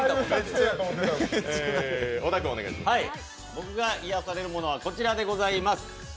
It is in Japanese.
僕が癒やされるものはこちらでございます。